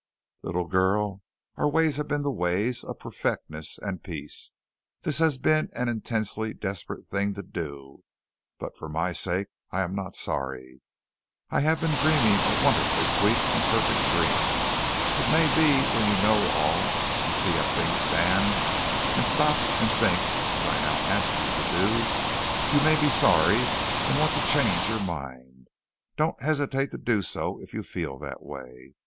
Little girl, our ways have been the ways of perfectness and peace. This has been an intensely desperate thing to do, but for my sake, I am not sorry. I have been dreaming a wonderfully sweet and perfect dream. It may be when you know all and see how things stand, and stop and think, as I now ask you to do, you may be sorry and want to change your mind. Don't hesitate to do so if you feel that way.